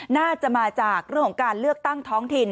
น่าจะมาจากเรื่องของการเลือกตั้งท้องถิ่น